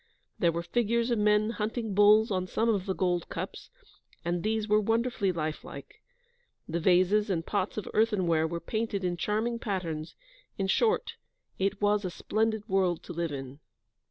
There are figures of men hunting bulls on some of the gold cups, and these are wonderfully life like. The vases and pots of earthenware were painted in charming patterns: in short, it was a splendid world to live in.